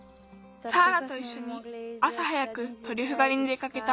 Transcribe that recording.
サーラといっしょにあさ早くトリュフがりに出かけた。